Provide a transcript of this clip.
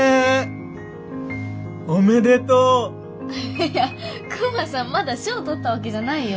いやクマさんまだ賞取ったわけじゃないよ。